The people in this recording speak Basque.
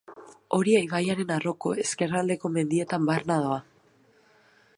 Oria ibaiaren arroko ezkerraldeko mendietan barna doa.